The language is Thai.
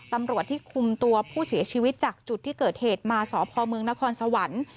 ตำรวจที่คุมตัวผู้เสียชีวิตจากจุดที่เกิดเหตุมาสพเมืองนครสวรรค์